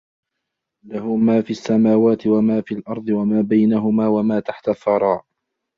لَهُ مَا فِي السَّمَاوَاتِ وَمَا فِي الْأَرْضِ وَمَا بَيْنَهُمَا وَمَا تَحْتَ الثَّرَى